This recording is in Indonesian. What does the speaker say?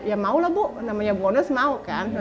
ya mau lah bu namanya bonus mau kan